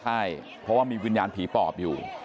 ใช่เพราะว่ามีวิญญาณผีปอบอยู่